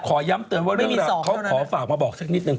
ย้ำเตือนว่าเรื่องราวเขาขอฝากมาบอกสักนิดนึ